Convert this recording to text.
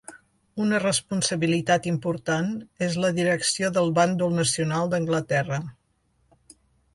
Una responsabilitat important és la direcció del bàndol nacional d"Anglaterra.